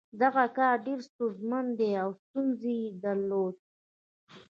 دغه کار ډېر ستونزمن و او ستونزې یې درلودې